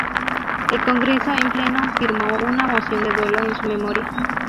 El Congreso en pleno firmó una moción de duelo en su memoria.